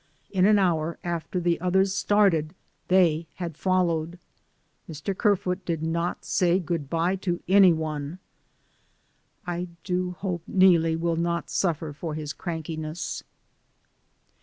In an hour after the others started they had followed. Mr. Kerfoot did not say good bye to any one. I do hope Neelie will not suffer for his crankiness.